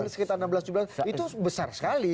sekitar enam belas tujuh belas itu besar sekali